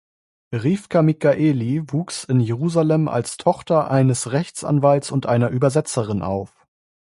Rivka Michaeli wuchs in Jerusalem als Tochter eines Rechtsanwalts und einer Übersetzerin auf.